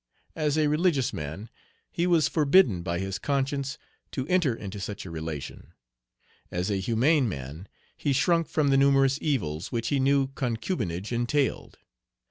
As a religious man, he was forbidden by his conscience to enter into such a relation. As a humane man, he shrunk from the numerous evils which he knew concubinage entailed.